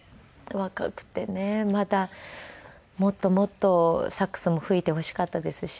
若くてねまだもっともっとサックスも吹いてほしかったですし。